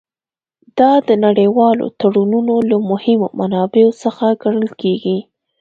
دا د نړیوالو تړونونو له مهمو منابعو څخه ګڼل کیږي